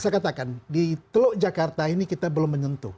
saya katakan di teluk jakarta ini kita belum menyentuh